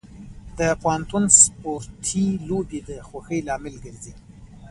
د پوهنتون سپورتي لوبې د خوښۍ لامل ګرځي.